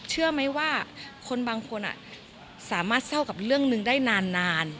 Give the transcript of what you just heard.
เชื่อไหมว่าคนบางคนสามารถเศร้ากับเรื่องหนึ่งได้นาน